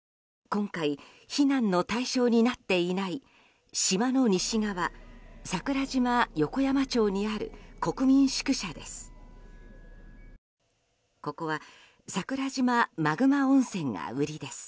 今回、避難の対象になっていない島の西側桜島横山町にある国民宿舎です。